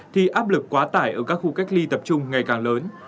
thì áp lực quá tải ở các khu cách ly tập trung ngày càng lớn